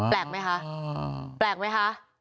แปลกไหมคะแปลกไหมคะ